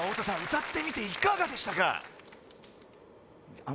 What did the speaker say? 歌ってみていかがでしたか？